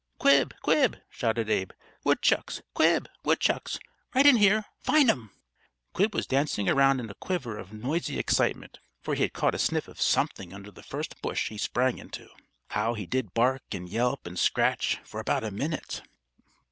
"Quib! Quib!" shouted Abe. "Woodchucks! Quib, woodchucks! Right in here. Find 'em!" Quib was dancing around in a quiver of noisy excitement, for he had caught a sniff of something under the first bush he sprang into. How he did bark and yelp and scratch, for about a minute!